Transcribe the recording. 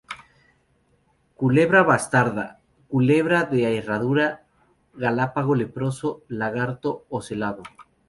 Culebra bastarda, culebra de herradura, galápago leproso, lagarto ocelado.